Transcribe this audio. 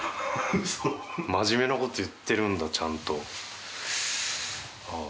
真面目なこと言ってるんだちゃんと。